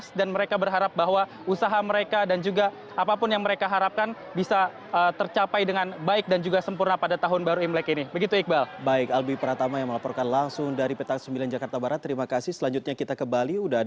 sampai jumpa di video selanjutnya